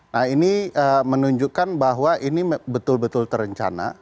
nah ini menunjukkan bahwa ini betul betul terencana